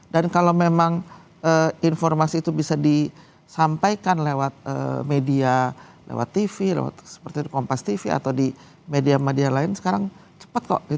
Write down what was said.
dan kalau memang informasi itu bisa disampaikan lewat media lewat tv lewat seperti kompas tv atau di media media lain sekarang cepat kok